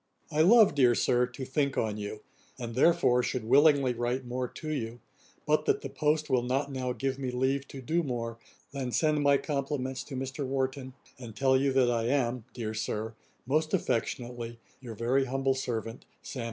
1759.] 'I love, dear Sir, to think on you, and therefore, should willingly write more to you, but that the post will not now give me leave to do more than send my compliments to Mr. Warton, and tell you that I am, dear Sir, most affectionately, 'Your very humble servant, 'SAM.